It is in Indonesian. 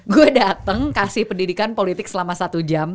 gue datang kasih pendidikan politik selama satu jam